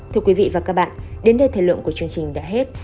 thưa quý vị và các bạn đến đây thời lượng của chương trình đã hết